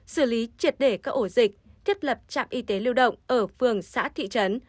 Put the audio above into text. xử lý triệt để các ổ dịch thiết lập trạm y tế lưu động ở phường xã thị trấn